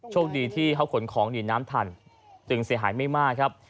โชคดีที่เขาขนของหนีน้ำทันจึงเสียหายไม่มากครับ